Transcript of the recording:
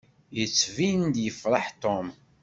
Yettbin-d yefṛeḥ Tom.